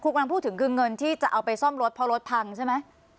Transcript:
กำลังพูดถึงคือเงินที่จะเอาไปซ่อมรถเพราะรถพังใช่ไหม